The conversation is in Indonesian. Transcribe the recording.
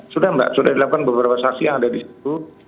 sudah mbak sudah dilakukan beberapa saksi yang ada di situ